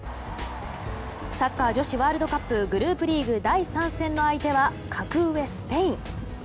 サッカー女子ワールドカップグループリーグ第３戦の相手は格上スペイン。